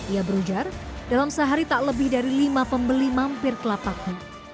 ia berujar dalam sehari tak lebih dari lima pembeli mampir ke lapaknya